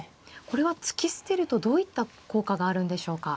これは突き捨てるとどういった効果があるんでしょうか。